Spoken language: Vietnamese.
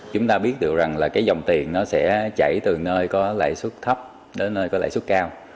chúng ta biết được rằng là cái dòng tiền nó sẽ chảy từ nơi có lãi suất thấp đến nơi có lãi suất cao